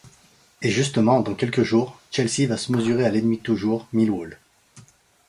Et justement, dans quelques jours, Chelsea va se mesurer à l'ennemi de toujours, Millwall...